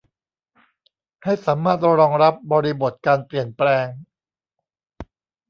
ให้สามารถรองรับบริบทการเปลี่ยนแปลง